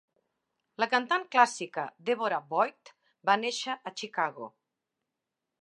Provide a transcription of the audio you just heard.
La cantant clàssica Deborah Voigt va néixer a Chicago.